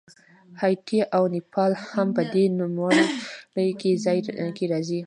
هایټي او نیپال هم په دې نوملړ کې راځي.